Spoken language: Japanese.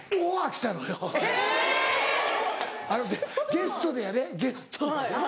ゲストでやでゲストで。